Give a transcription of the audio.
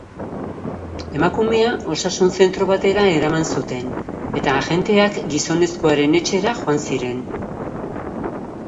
Emakumea osasun zentro batera eraman zuten eta agenteak gizonezkoaren etxera joan ziren.